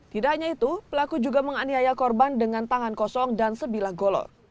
tidak hanya itu pelaku juga menganiaya korban dengan tangan kosong dan sebilah golok